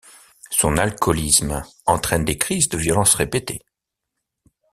Son alcoolisme entraîne des crises de violence répétées.